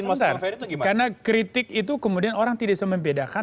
mas kang ferry itu gimana karena kritik itu kemudian orang tidak bisa membedakan